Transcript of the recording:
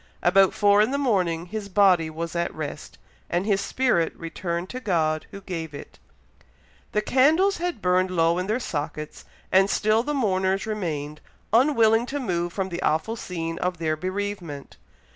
About four in the morning his body was at rest, and his spirit returned to God who gave it. The candles had burned low in their sockets, and still the mourners remained, unwilling to move from the awful scene of their bereavement.